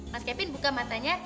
mas kevin buka matanya